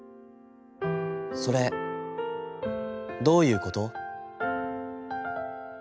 『それ、どういうこと』。